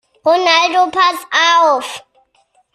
Ronaldo, pass auf!